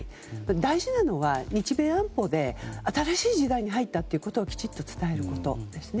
大事なのは日米安保で新しい時代に入ったことをきちっと伝えることですね。